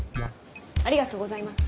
ありがとうございます。